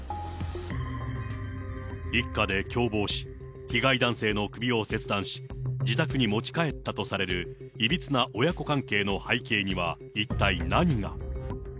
一家で共謀し、被害男性の首を切断し、自宅に持ち帰ったとされるいびつな親子関係の背景には一体何が。